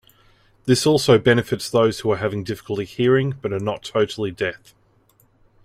This also benefits those who are having difficulty hearing, but are not totally deaf.